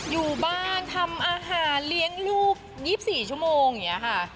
อยู่บ้านทำอาหารเลี้ยงลูก๒๔ชั่วโมงอย่างนี้ค่ะ